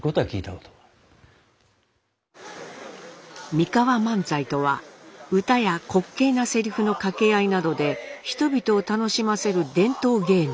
「三河万歳」とは歌や滑稽なせりふの掛け合いなどで人々を楽しませる伝統芸能。